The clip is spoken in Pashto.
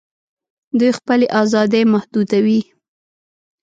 دوی خپلي آزادۍ محدودوي